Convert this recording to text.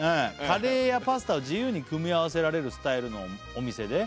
「カレーやパスタを自由に組み合わせられるスタイルのお店で」